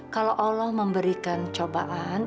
kalau allah memberikan cobaan